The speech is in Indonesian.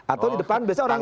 atau di depan biasanya orang